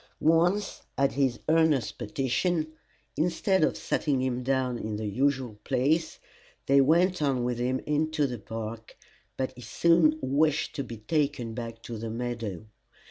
Once at his earnest petition, instead of setting him down in the usual place, they went on with him into the park, but he soon wished to be taken back to the meadow.